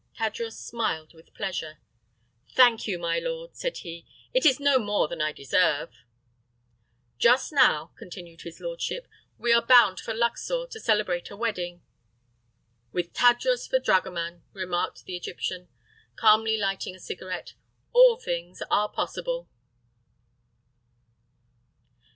Tadros smiled with pleasure. "Thank you, my lord," said he; "it is no more than I deserve." "Just now," continued his lordship, "we are bound for Luxor to celebrate a wedding." "With Tadros for dragoman," remarked the Egyptian, calmly lighting a cigarette, "all things are possible."